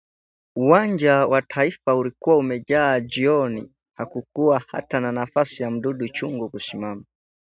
uwanja wa taifa ulikuwa umeja jiooni hakukuwa hata na nafasi ya mdudu chungu kusimama